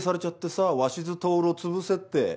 さ鷲津亨を潰せって。